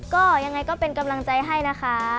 ก็ยังไงก็เป็นกำลังใจให้นะคะ